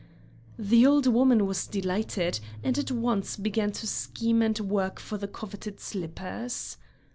The old woman was delighted, and at once began to scheme and work for the coveted slippers.